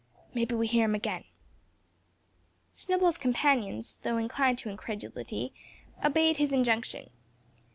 Maybe we hear im agen." Snowball's companions, though inclined to incredulity, obeyed his injunction.